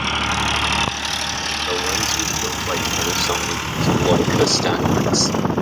The lens was built by Panasonic to Leica standards.